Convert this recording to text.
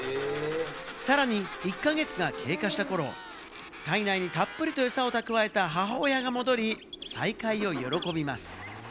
さらに１か月が経過した頃、体内にたっぷりと餌を蓄えた母親が戻り、再会を喜びます。